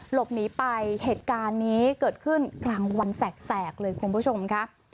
หลบหนีไปเหตุการณ์นี้เกิดขึ้นกลางวันแสกเลยคุณผู้ชมค่ะ